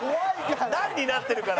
段になってるから。